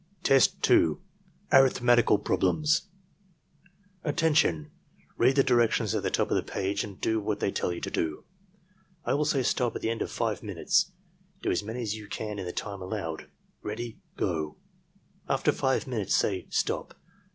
Test 2.— Arifhmetical Problems "Attention! Read the directions at the top of the page and do what they tell you to do. I will say stop at the end of five minutes. Do as many as you can in the time allowed. — Ready — Go!" After 6 minutes, say "STOP!